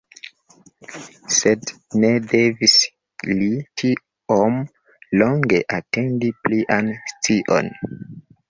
Sed, ne devis li tiom longe atendi plian scion.